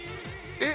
えっ？